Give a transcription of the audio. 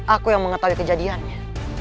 aku yang mengetahui kejadiannya